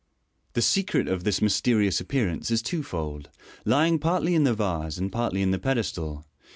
The secret of this mysterious appearance is twofold, lying partly in the vase and partly in the pedestal.